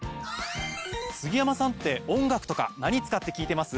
杉山さんって音楽とか何使って聞いてます？